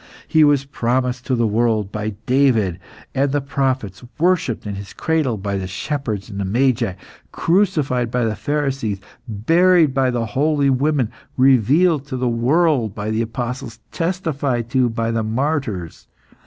He was promised to the world, by David and the prophets, worshipped in His cradle by the shepherds and the magi, crucified by the Pharisees, buried by the holy women, revealed to the world by the apostles, testified to by the martyrs.